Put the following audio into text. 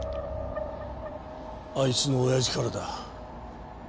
あいつのおやじからだ。